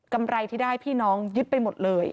ไรที่ได้พี่น้องยึดไปหมดเลย